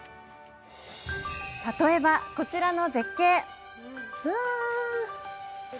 例えば、こちらの絶景。